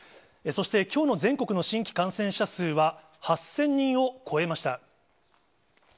そして、きょうの全国の新規感染者数は８０００人を超えました。